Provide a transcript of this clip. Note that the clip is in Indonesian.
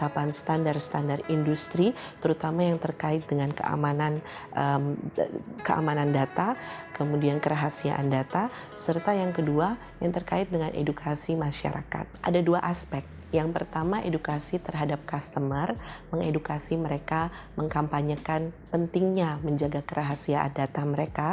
pentingnya menjaga kerahasiaan data mereka